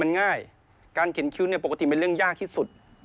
มันง่ายการเข็นคิ้วเนี่ยปกติเป็นเรื่องยากที่สุด